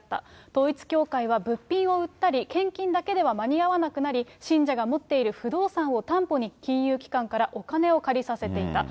統一教会は物品を売ったり、献金だけでは間に合わなくなり、信者が持っている不動産を担保に、金融機関からお金を借りさせていた。